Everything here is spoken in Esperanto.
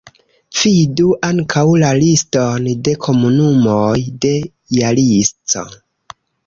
Vidu ankaŭ la liston de komunumoj de Jalisco.